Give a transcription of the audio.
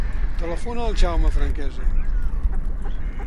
Telefona al Jaume Franquesa.